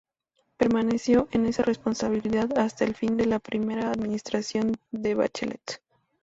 Permaneció en esa responsabilidad hasta el fin de la primera administración de Bachelet.